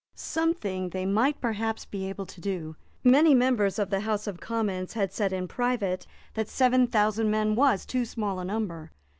Something they might perhaps be able to do. Many members of the House of Commons had said in private that seven thousand men was too small a number.